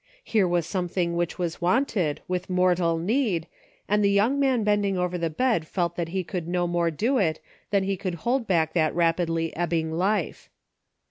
Here was something which was wanted, with mortal need, and the young man bending over the bed felt that he could no more do it than he could hold back that rapidly ebbing life.